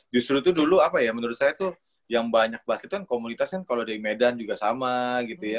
justru itu dulu apa ya menurut saya tuh yang banyak basket kan komunitas kan kalau dari medan juga sama gitu ya